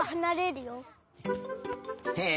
へえ。